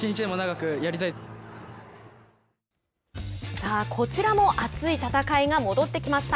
さあ、こちらも熱い戦いが戻ってきました。